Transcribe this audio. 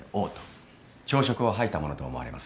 朝食を吐いたものと思われます。